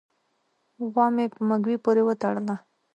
غوا مې په مږوي پورې و تړله